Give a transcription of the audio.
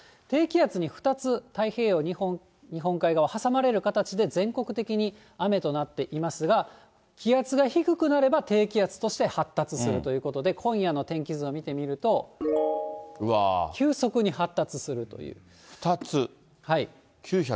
低気圧に２つ、太平洋、日本海側、挟まれる形で、全国的に雨となっていますが、気圧が低くなれば、低気圧として発達するということで、今夜の天気図を見てみると、急速に発達するという。